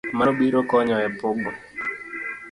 Mano biro konyo e pogo